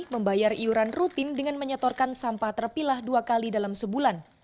membayar iuran rutin dengan menyetorkan sampah terpilah dua kali dalam sebulan